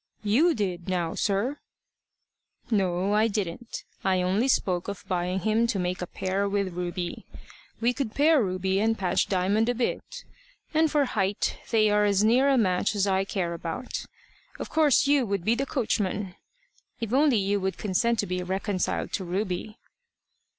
"You did now, sir." "No; I didn't. I only spoke of buying him to make a pair with Ruby. We could pare Ruby and patch Diamond a bit. And for height, they are as near a match as I care about. Of course you would be the coachman if only you would consent to be reconciled to Ruby."